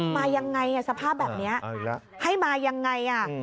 มายังไงสภาพแบบนี้ให้มายังไง